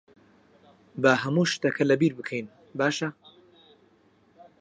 با هەموو شتەکە لەبیر بکەین، باشە؟